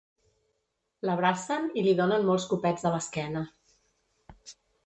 L'abracen i li donen molts copets a l'esquena.